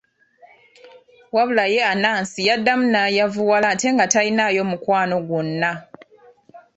Wabula ye Anansi yaddamu n'ayavuwala ate nga talinaayo mukwano gwonna.